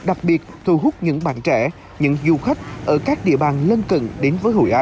đặc biệt thu hút những bạn trẻ những du khách ở các địa bàn lân cận đến với hội an